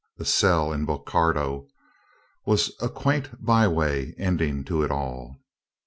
A cell in Bo ^^ cardo was a quaint byway ending to it all.